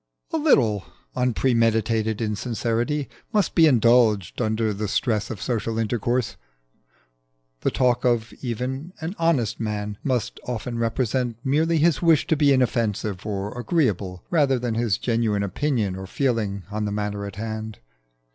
A little unpremeditated insincerity must be indulged under the stress of social intercourse. The talk even of an honest man must often represent merely his wish to be inoffensive or agreeable rather than his genuine opinion or feeling on the matter in hand.